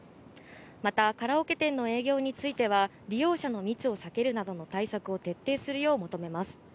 またカラオケ店の営業については利用者の密を避けるなどの対策を徹底するよう求めます。